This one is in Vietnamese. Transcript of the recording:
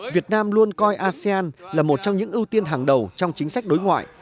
việt nam luôn coi asean là một trong những ưu tiên hàng đầu trong chính sách đối ngoại